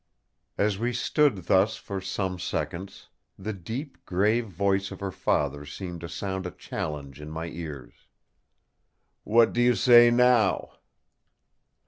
As we stood thus for some seconds, the deep, grave voice of her father seemed to sound a challenge in my ears: "What do you say now?"